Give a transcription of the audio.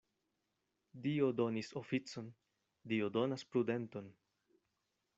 Dio donis oficon, Dio donas prudenton.